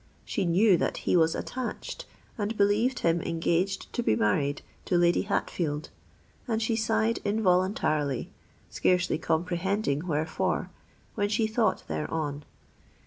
She knew that he was attached, and believed him engaged to be married to Lady Hatfield and she sighed involuntarily—scarcely comprehending wherefore—when she thought thereon.